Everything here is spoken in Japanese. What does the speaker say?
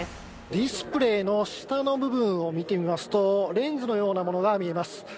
ディスプレーの下の部分を見てみますと、レンズのようなものが見えます。